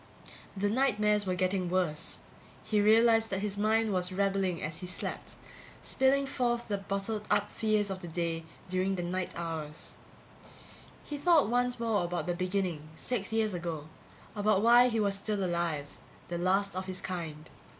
The nightmares were getting worse. He realized that his mind was rebelling as he slept, spilling forth the bottled up fears of the day during the night hours. He thought once more about the beginning six years ago, about why he was still alive, the last of his kind.